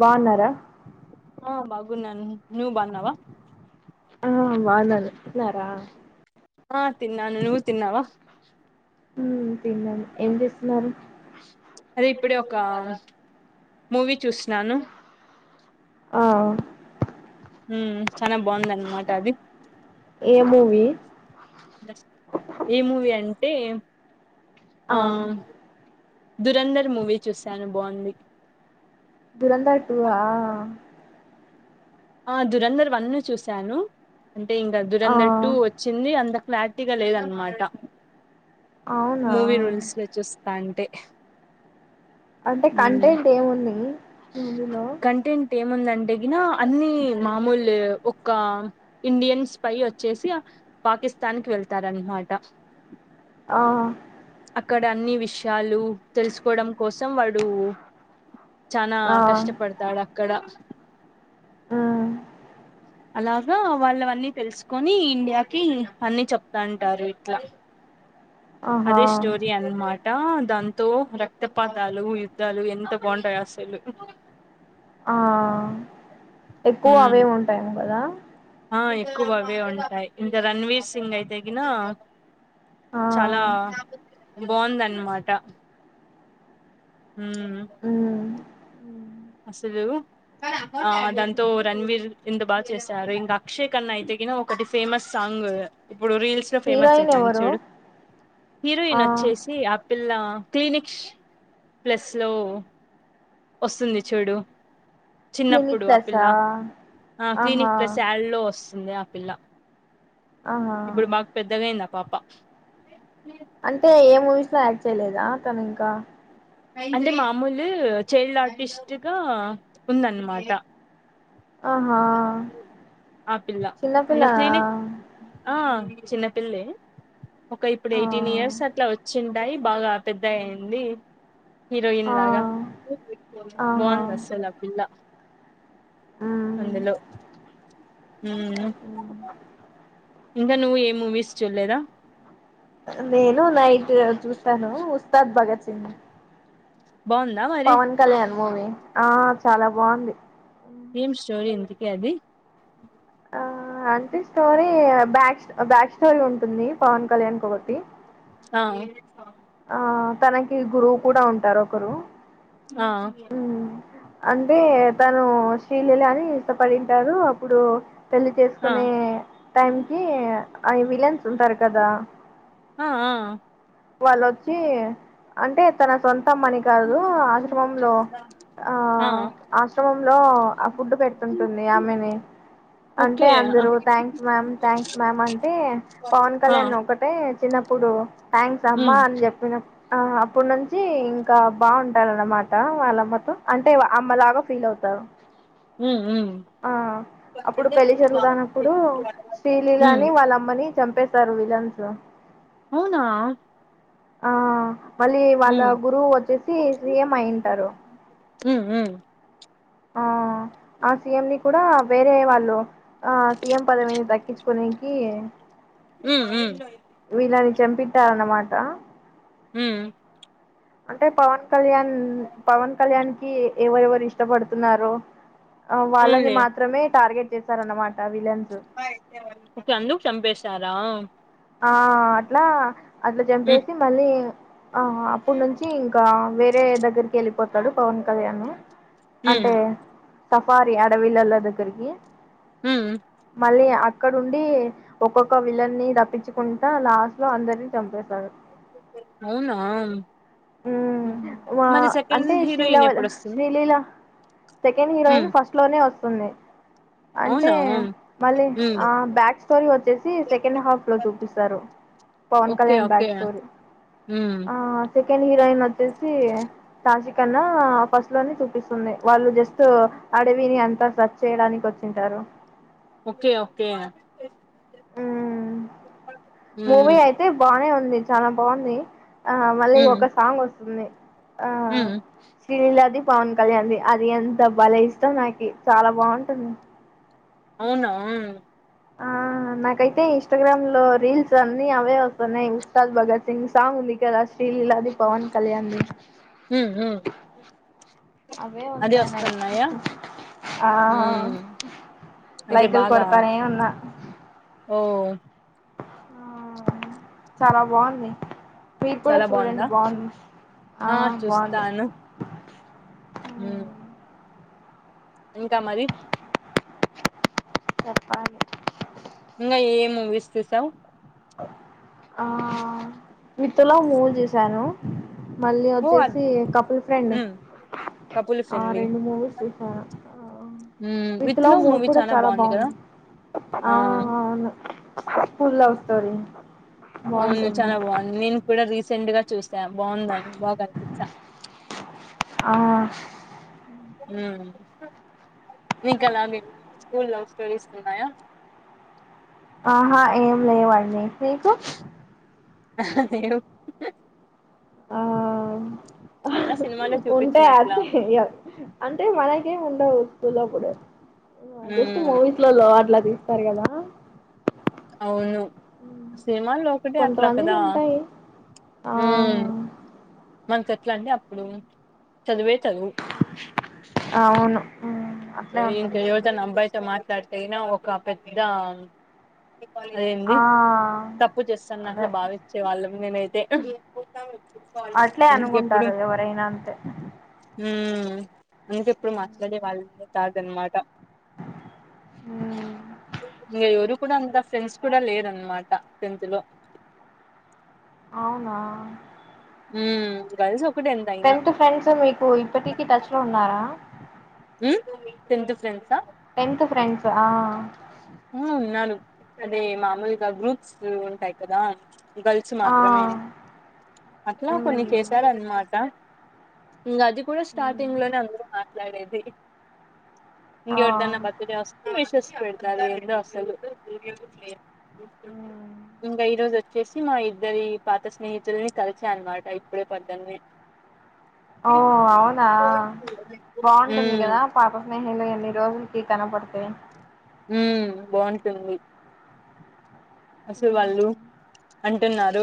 బావున్నారా? ఆ బాగున్నాను నువ్ బావున్నావ ఆ బావున్నాను తిన్నార ఆ తిన్నాను నువు తిన్నావా? మ్ తిన్నాను ఏం చేస్తున్నారు? అదే ఇప్పుడే ఒక మూవీ చూస్తున్నాను. ఆ మ్ చనా బావుంది అన్నమాట అది. ఏ మూవీ? ఏ మూవీ అంటే ఆ ధురంధర్ మూవీ చూశాను బోంది దురందర్ టు ఆ ఆ దురంధర్ వన్ ను చూసాను అంటే ఇంకా ఆ దురంధర్ టూ వచ్చింది అంత క్లేరిటిగా లేదన్నమాట. అవునా మూవీ రూల్స్ లో చూస్తా అంటే అంటే ఉమ్ కంటెంట్ ఏముంది? మూవీలో కంటెంట్ ఏం ముందంటేగిన అన్ని మామూలు ఒక్క ఇండియన్స్ పై వచ్చేసి అ పాకిస్తాన్ కి వెళ్తారన్నమాట ఆ అక్కడ అన్ని విషయాలు తెలుసుకోవడం కోసం వాడూ చానా ఆ కష్టపడతాడక్కడ మ్ అలాగా వాళ్ళవన్నీ తెలుసుకొని ఇండియాకి అన్ని చెప్తాంటారు ఇట్లా ఆహా అదీ స్టోరి అందమాట టాన్ దాంతో రక్త పాతాలు యుద్ధాలు ఎంత బావుంటాయి అసలు ఆ ఎక్కువ ఉమ్ అవే ఉంటాయేమో కదా ఆ ఎక్కువవే ఉంటాయి ఇంకా రణ్వీర్ సింగ్ అయితేగిన ఆ చాలా బావుందన్నమాట మ్ ఉమ్ అసలు ఆ దాంతో రణవీర్ ఇంత బాగా చేశారు ఇంకా అక్షయ కన్నా అయితే గిన ఒకటి ఫేమస్ సాంగ్ ఇప్పుడు రీల్స్ లో ఫేమస్ హీరోయిన్ అయితాంది ఎవరు చూడు ఆ హీరోయిన్ వచ్చేసి ఆపిల్ల క్లినిక్స్ ప్లస్ లో వస్తుంది చూడు క్లినిక్ చిన్నప్పుడు ఆ పిల్ల ప్లసా ఆ ఆహా క్లినిక్ ప్లస్ యాడ్ లో వస్తుంది ఆ పిల్ల ఆహా ఇప్పుడు మాకు పెద్ద గాయ్యింద పాప అంటే ఏ మూవీస్ లో యాక్ట్ చేయలేదా తను ఇంకా అంటే మామూలు చైల్డ్ ఆర్టిస్టుగా ఉందన్నమాట ఆహా ఆపిల్ల మల్ల చిన్నపిల్లనా క్లినిక్ ఆ చిన్నపిల్లె ఒక ఇప్పుడు ఆ ఎయిటీన్ ఇయర్స్ అట్లా వచ్చి ఉంటయి బాగా పెద్ద అయింది హీరోయిన్ ఆ లాగా ఆహా బావుందస్సలపిల్ల మ్మ్ అందులో మ్.. ఇంక నువ్వు ఏ మూవీస్ చూడలేదా నేను నైట్ చూస్తాను ఉస్తాద్ భగత్ సింగ్ బావుందా మరి పవన్ కళ్యాణ్ ఆ చాలా బావుంది ఏమ్ స్టోరీ ఇంతకీ అది ఆ అంటే స్టోరీ బ్యాక్ బ్యాక్ స్టోరీ ఉంటుంది పవన్ కళ్యాణ్ కు ఆ ఆ తనకి గురువు కూడా ఉంటారు ఒకరు ఆ అంటే తను ీలల అని ఇష్టపడింటారు అప్పుడు పెళ్లి ఆ చేసుకునే టైం కి ఆ విలన్స్ ఉంటారు కదా ఆ ఆ వాళ్ళొచ్చీఅంటే తన సొంత మని కాదు ఆశ్రమంలో ఆ ఆశ్రమంలో ఆ ఫుడ్ పెట్ట అన్నయ ఆమెని ఓకే అంటే ఆ అందరూ థ్యాంక్స్ మ్యామ్ థ్యాంక్స్ మ్యామ్ అంటే పవన్ ఆ కళ్యాణ్ ఒకటే చిన్న ఇప్పుడు థ్యాంక్స్ అమ్మా ఉమ్ అని చెప్పిన అప్పడు నుంచి ఇంకా బావుంటారన్నమాట ఆ... వాళ్ళమ్మతో అంటే అమ్మలాగా ఫీల్ అవుతారు మ్.... ఉమ్ ఆ అప్పుడు పెళ్లి జరుగుతానప్పుడు ఉమ్ శ్రీలీలని వాళ్ళమ్మని చంపేస్తారు విలన్స్ అవునా ఆ మళ్ళీ ఉమ్ వాళ్ళ గురువు వచ్చేసి సీఎం అయింటారు మ్ ఉమ్ ఆ ఆ సీఎం ని కూడా వేరే వాళ్ళు ఆ సీఎం పదవిని దక్కించుకోనికీ ఉమ్ ఉ వీళ్ళని చంపిట్టారన్నమాట ఉమ్ అంటే పవన్ కళ్యాణ్, పవన్ కళ్యాణ్ కి ఎవరెవరు ఇష్టపడుతున్నారో ఆ వాళ్ళని అవునులే మాత్రమే టార్గెట్ చేశారన్నమాట విలన్ కే అందుకు చంపేశారా? ఆ అట్లా అట్ల ఉమ్ చంపేసి మళ్ళీ ఆ అప్పుడు నుంచి ఇంకా వేరే దగ్గరికి ఎళ్ళిపోతాడు, పవన్ కళ్యాను ఉమ్ అంటే సఫారీ అడవిలల్లో దగ్గరికి హుమ్ మళ్ళీ అక్కడుండి ఒక్కొక్క విలన్ని రప్పించుకుంటా లాస్ట్ లో అందరిని చంపేస్ అవునా హ్మ్ మా మరి సెకండ్ అంటే హీరోయిన్ శ్రీలవల్ ఎప్పుడొస్తుంది? శ్రీలీల సెకండ్ హీరోయిన్ ఉమ్ ఫస్ట్ లోనే వస్తుంది. అంటే అవునా మళ్ళీ ఉమ్ ఆ బ్యాక్ స్టోరీ వచ్చేసి సెకండ్ హాఫ్ లో చూపిస్తారు Pawan okay Kalyan okay back story ఉమ్ ఆ సెకండ్ హీరోయిన్ అచ్ చేసి తాజి కన్నా ఫస్ట్ లోని చూపిస్తుంది, వాళ్ళు జస్ట్ అడవిని అంతా స్రచ్ చేయడానికి వచ్చింటారు. ఓకే ఓకే మ్మ్ మూవీ ఉమ్ అయితే బానే ఉంది చాలా బాగుంది. ఆ మళ్ళీ ఉమ్ ఒక సాంగ్ వస్తుంది. ఉమ్ తిలాది పవన్ కళ్యాణ్ది అది ఎంత బాలే ఇష్టం నాకి, చాలా బాగుంటుంది. అవునా ఆ నాకైతే ఇన్స్టాగ్రామ్ లో రీల్స్ అన్ని అవే వస్తున్నాయి, ఇన్స్టాల్ భగత్ సింగ్ సాంగ్ ఉంది కదా శ్రీ లీలాది పవన్ కళ్యాణ్ది హ్మ్ ఆ ఆహా ఉమ్ అయితే లైకులు బాగా కొడతనే ఉన్నా ఓ చాలా బావుంది. మీరు కూడా చాలా చూడండి బాగుందా బాగుంది, ఆ బాగుంది ఉమ్ ఇంకా మరి చెప్పాలి ఇంగా ఏఏ మూవీస్ చూసావు ఆ విత్తుల మూవీ చూసాను మళ్ళీ ఓ అద్- వచ్చేసి కపుల్ ఫ్రెండు, ఉమ్ కపుల్ ఆ ఫ్రెండ్లీ రెండు మూవీస్ చూసాను. ఉమ్ విత్ విత్లా లవ్ మూవి మూవీ కూడా చాలా కదా బాగుంది, ఆ అవును. స్కూల్ లవ్ స్టోరీ అవును బాగుంటుంది చాలా బాగుంది, నేను కూడా రీసెంట్ గా చూస్ సా బాగుంద బా కనిపించ ఆ ఉమ్ మీకలా మీక్ స్కూల్ లవ్ స్టోరీస్ ఉన్నాయా? ఆహా ఏం లేవండి, మీకు లేవు ఆ అయినా సినిమాలో ఉంటె చూపించినట్లా అటే ఇయ అంటే మనకేం ఉండవు. లో కుడ, జస్ట్ ఉమ్, మూవీస్ లో లో అట్లా తీస్తారు కదా. వును సినిమాల్లో ఒకటే అట్లా కదా కొంతమందికి ఉంటాయి ఆ మనకు ఎట్లా అంటే అప్పుడూ అవును ఊమ్ అ ఏం ఇంకా ఎవతనా అబ్బాయితో మాట్లాడితే యినా ఒక పెద్దా అదేంది ఆ తప్పు అదే చేస్తన్నట్లు భావిచ్చే వాళ్ళం మేమైతే అట్లే అందుకెప్పుడు అనుకుంటారు ఎవరైనా అంతే ఊ [unintelligible] మాట్లాడే వాళ్ళే కాదనమాట ఇంగ ఎవ్రు కూడా అంత ఫ్రెండ్స్ కూడా లేరన్మాట టెన్త్ లో అవునా ఊమ్ గర్ల్స్ ఒ టెన్త్ ఫ్రెండ్స్ మీకూ ఇప్పటికి టచ్ లో ఉన్నారా ఊ టెంత్ ఫ్రెండ్సా టెన్త్ ఫ్రెండ్స్ ఆ ఆ ఉన్నారు అదే మామూలుగా గ్రూప్స్ ల్ ఉంటాయి కదా గర్ల్స్ ఆ మాత్రమే, అట్లా కొన్ని ఉమ్ చేశారన్నమాట. ఇంగ అది కూడా ఉమ్ స్టార్టింగ్ లోనే అందరూ మాట్లాడేది ఆ ఇంగెవర్దన్న బర్త్ డే [unintelligible] విషస్ పెడతారు ఏందో అసలు ఇంగ ఈ రోజు చ్చేసి మా ఇద్దరి పాత స్నేహితుల్ని కలిసా అనమాట ఇప్పుడే పద్దన్నే ఓ అవునా బాగుంటుంది ఉమ్ గదా పాప స్నేహిలు ఇన్ని రోజులు కి కనపడుతే ఊ బాగుంటుంది అసలు వాళ్ళు అంటున్నారు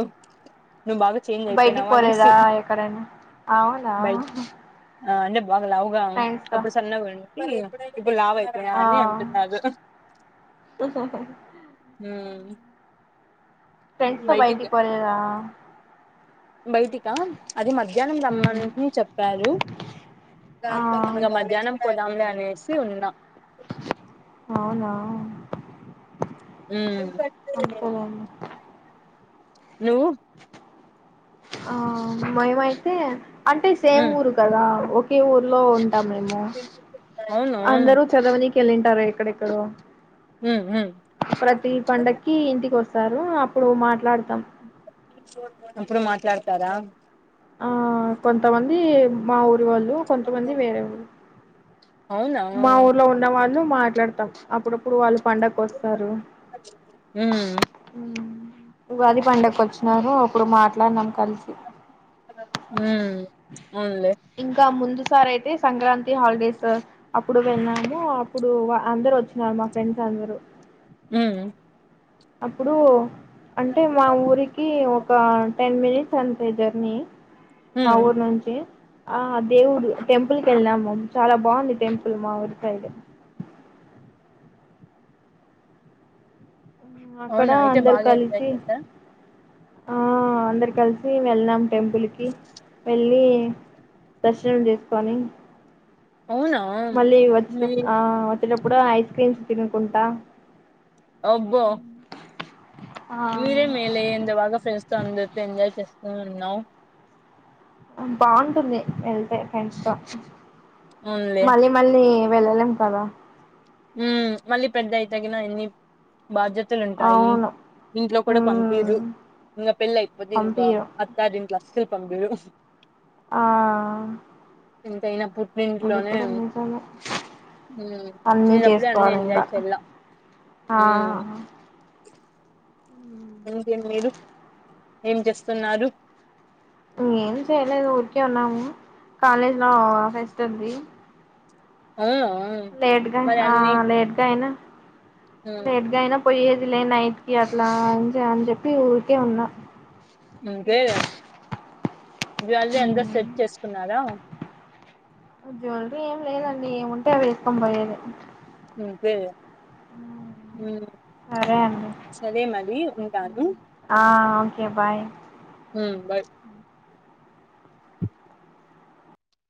నువ్వు బాగా చేంజ్ బయటికి అయిపోయినావా అనేసి పోలేదా ఎక్కడైనా అవునా బయ్ ఆ అంటే బాగా లావుగా ఫ్రెండ్స్ తో అప్పుడు సన్నగ ఉంటి పు లావు అయిపోయా ఆ అని అంటున్నారు హూమ్ ఫ్రెండ్స్ తో బైటిక్ వెళ్ళా బయటికా అది మధ్యాహ్నం మ్మ్. రమ్మంట్ని చెప్పారు ఆ దాంతో ఇగ మధ్యాహ్నం పోదాం లే అనేసి ఉన్నా. ఊ ఉమ్ ఓకే నువ్వు ఆ మేమైతే అంటే సేమ్ ఉమ్ ఊరు కదా ఒకే ఊర్లో ఉన్ టాం మేము అవును అందరూ చదవనీకె ఎళ్ళింటారు ఎక్కడెక్కడో ఉమ్ ఉమ్ ప్రతీ పండక్కీ ఇంటికి వస్తారు అప్పుడు మాట్లాడుతాం అప్పుడు మాట్లాడతారా ఆ కొంతమంది మా ఊర్ వాళ్ళు కొంతమంది వేరే ఊరు అవునా మా ఊర్లో ఉన్న వాళ్ ను మాట్లాడతాం అప్పుడప్పుడు వాళ్ళు పండక్క్ ఒస్తారు ఉమ్ ఉగాది పండక్కు ఒచ్చినారు అప్పుడు మాట్లాడ్నం కలిసి ఊ ఇంకా ముందు సార్ అయితే సంక్రాంతి హాలిడేస్ అప్పుడు వెల్లాము, అప్పుడు వ అందరూ ఒచ్చినా మా ఫ్రెండ్స్ అందరు ఊఉ అప్పుడూ అంటే మా ఊరికీ ఒ క టెన్ మినిట్స్ అంతే జర్నీ మా ఉమ్ ఊరు నుంచి ఆ దేవుడు టెంపుల్కి వెళ్ళాము చాలా బాగుంది టెంపుల్ మా ఊరి సైడ్ అక్కడ అవునా అయితే అందరు బాగా ఎంజాయ్ కలిసి చేసారా ఆ అందరు కలిసి వెళ్ళినాం టెంపుల్కి వెళ్ళి దర్శనం చేసుకొని అవునా మళ్ళీ మీ వచ్చేటప్పు ఆ వచ్చేటప్పుడు ఐస్ క్రీమ్స్ తినుకుంటా అబ్బో ఆ మీరే మేలే ఎంత బాగా ఫెండ్స్తో అందరితో ఎంజాయ్ చేస్తూ ఉన్నావ్ బాగుంటుంది వెళ్తే ఫ్రెండ్స్ తో అవునులే మళ్ళీ మళ్ళీ వెళ్లలేం కాదా ఉ మళ్ళీ పెద్ద అయితేగన ఎన్ని బాధ్యతలు ఉంటాయి అవును ఇంట్లో కూడా పంపిరు మ్మ్ ఇంగ పెళ్ళైపోతే ఇంకా పంపియరు అత్తారింట్లో అస్సలు పంపిరు ఆ ఎంతైనా అది పునింట్లోనే కూడా నిజమే ఉమ్ అన్నీ చెయ్ అప్పుడే అన్నీ చేసుకోవాలి ఎంజాయ్ ఇంగా చేయాల్ల ఆ ఉమ్ ఇంకేం మీరు ఏం చేస్తున్నారు ఏం చేయలేదు ఊరికే ఉన్నాము కాలేజ్లా ఫెస్ ఉంది ఆ లేట్గా లేట్గా అయినా ఇంకే లేటుగా అయినా పోయే ఇలే నైట్ కి అట్లా ఇంజా అని చెప్పి ఊరికే ఉన్నా అంతేలే జ్వేల్లరీ అంతా సెట్ చేసుకున్నారా జ్యువెలరీ ఏం లేదండి ఏముంటే అవి వేసుకొని పోయేది అంతేలే ఉమ్ సరే అండి సరే మరి ఉన్ ఆ ఓకే బాయ్ ఉమ్ బాయ్